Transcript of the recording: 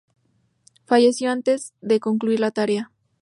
Falleció antes de concluir la tarea.